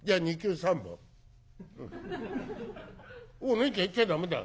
ねえちゃん行っちゃ駄目だ。